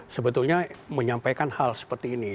sebetulnya menyampaikan hal seperti ini